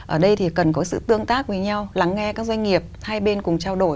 ở đây thì cần có sự tương tác với nhau lắng nghe các doanh nghiệp hai bên cùng trao đổi